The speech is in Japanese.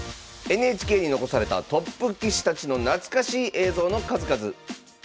ＮＨＫに残されたトップ棋士たちの懐かしい映像の数々。